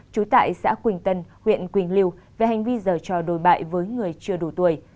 trú tại xã quỳnh tân huyện quỳnh liêu về hành vi giở trò đối bại với người chưa đủ tuổi